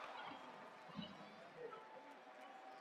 热力学状态是指一组描述热力学系统的状态。